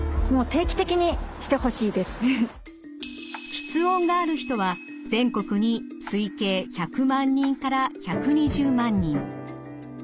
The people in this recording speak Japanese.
吃音がある人は全国に推計１００万人から１２０万人。